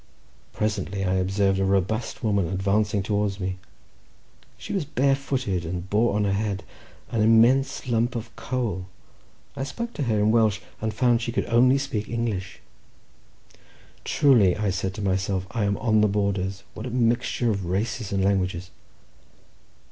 Presently I observed a robust woman advancing towards me; she was barefooted, and bore on her head an immense lump of coal. I spoke to her in Welsh, and found she could only speak English. "Truly," said I to myself, "I am on the borders. What a mixture of races and languages!"